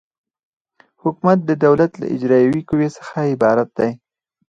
حکومت د دولت له اجرایوي قوې څخه عبارت دی.